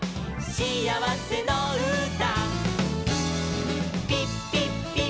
「しあわせのうた」